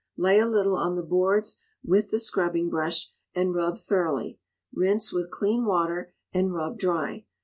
Lay a little on the boards with the scrubbing brush, and rub thoroughly. Rinse with clean water, and rub dry.